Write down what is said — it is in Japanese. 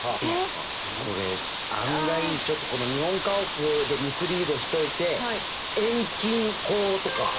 これ案外ちょっと日本家屋でミスリードしといて遠近法とかを。